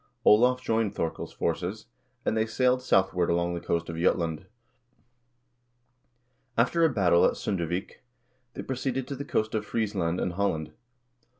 Olav joined Thorkel's forces, and they sailed southward along the coast of Jutland. After a battle at S0ndervik, they proceeded to the coast of Friesland and Holland.